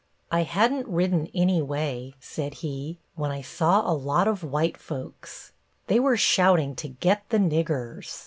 "I hadn't ridden any way," said he, "when I saw a lot of white folks. They were shouting to 'Get the Niggers.'